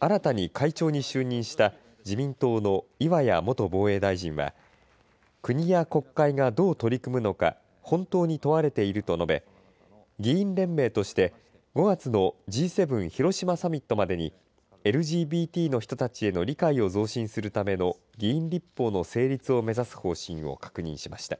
新たに会長に就任した自民党の岩屋元防衛大臣は国や国会がどう取り組むのか本当に問われていると述べ議員連盟として５月のＧ７広島サミットまでにＬＧＢＴの人たちへの理解を増進するための議員立法の成立を目指す方針を確認しました。